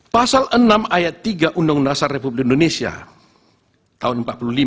pasal enam ayat tiga undang undang dasar republik indonesia tahun seribu sembilan ratus empat puluh lima